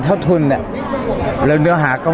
แต่สำหรับพี่ออฟคือไม่มีเลยคำว่าทอนกว่า